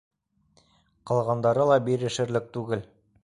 Ҡалғандары ла бирешерлек түгел.